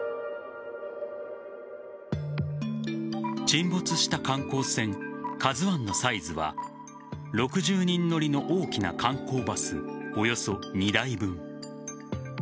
沈没した観光船「ＫＡＺＵ１」のサイズは６０人乗りの大きな観光バスおよそ２台分。